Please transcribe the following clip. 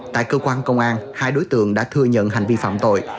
tại cơ quan công an hai đối tượng đã thừa nhận hành vi phạm tội